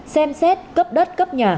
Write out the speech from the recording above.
xem xét cấp đất cấp nhà